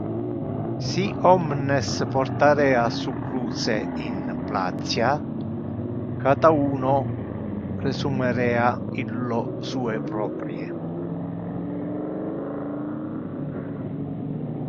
Si omnes portarea su cruce in placia, cata uno resumerea illo sue proprie.